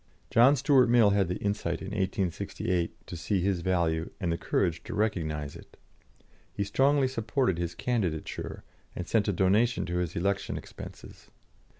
John Stuart Mill had the insight in 1868 to see his value, and the courage to recognise it. He strongly supported his candidature, and sent a donation to his election expenses.